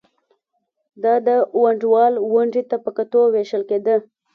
دا د ونډه وال ونډې ته په کتو وېشل کېده